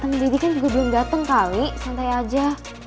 hadikan koy g plat dateng kali santai aja